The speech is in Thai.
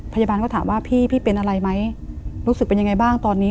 พยาบาลก็ถามว่าพี่พี่เป็นอะไรไหมรู้สึกเป็นยังไงบ้างตอนนี้